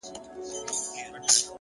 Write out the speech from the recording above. باور د عمل جرئت زیاتوي,